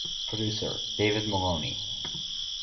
Producer: David Maloney.